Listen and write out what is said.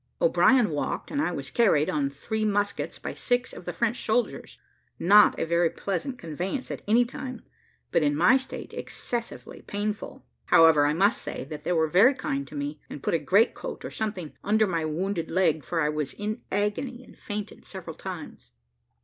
O'Brien walked, and I was carried on three muskets by six of the French soldiers, not a very pleasant conveyance at any time, but in my state excessively painful. However, I must say, that they were very kind to me, and put a great coat or something under my wounded leg, for I was in an agony, and fainted several times.